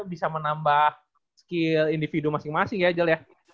bisa menambah skill individu masing masing ya jul ya